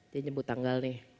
dia nyebut tanggal nih